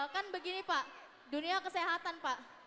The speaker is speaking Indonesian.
kan begini pak dunia kesehatan pak